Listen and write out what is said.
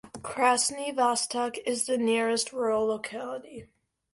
Krasny Vostok is the nearest rural locality.